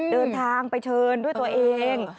เดินทางไปเชิญด้วยตัวเอง